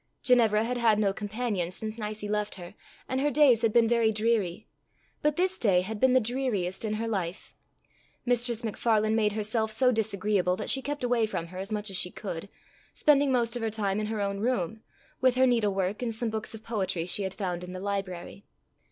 Ginevra had had no companion since Nicie left her, and her days had been very dreary, but this day had been the dreariest in her life. Mistress MacFarlane made herself so disagreeable that she kept away from her as much as she could, spending most of her time in her own room, with her needlework and some books of poetry she had found in the library.